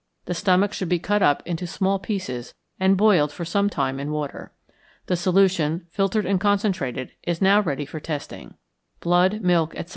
The stomach should be cut up into small pieces and boiled for some time in water. The solution, filtered and concentrated, is now ready for testing. Blood, milk, etc.